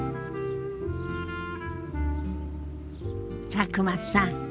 佐久間さん